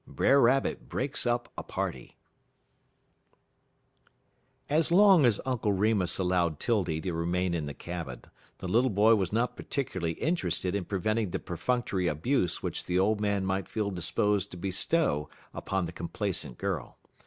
XII BRER RABBIT BREAKS UP A PARTY As long as Uncle Remus allowed 'Tildy to remain in the cabin, the little boy was not particularly interested in preventing the perfunctory abuse which the old man might feel disposed to bestow upon the complacent girl.